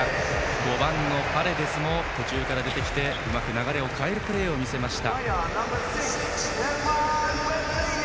５番のパレデスも途中から出てうまく流れを変えるプレーを見せました。